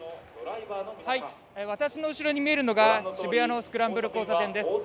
私の後ろに見えるのが渋谷のスクランブル交差点です。